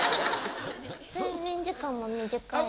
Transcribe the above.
睡眠時間も短いですか？